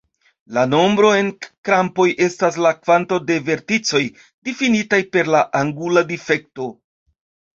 La nombro en krampoj estas la kvanto de verticoj, difinita per la angula difekto.